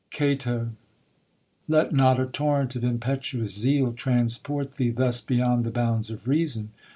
Cato. Let not a torrent of impetuous zeal Transport thee thus beyond the bounds of reason.